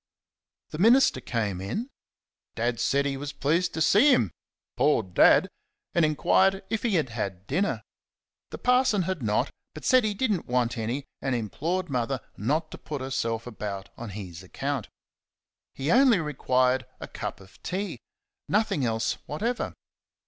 The minister came in. Dad said he was pleased to see him poor Dad! and enquired if he had had dinner. The parson had not, but said he did n't want any, and implored Mother not to put herself about on his account. He only required a cup of tea nothing else whatever.